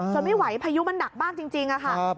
ไม่ไหวพายุมันหนักมากจริงค่ะ